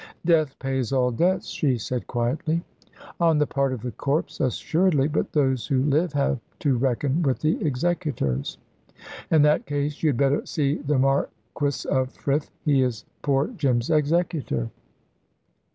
"Death pays all debts," she said quietly. "On the part of the corpse, assuredly. But those who live have to reckon with the executors." "In that case you had better see the Marquis of Frith. He is poor Jim's executor."